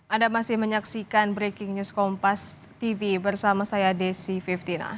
anda masih menyaksikan breaking news kompas tv bersama saya desi fiftina